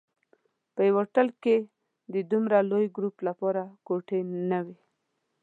په یوه هوټل کې د دومره لوی ګروپ لپاره کوټې نه وې.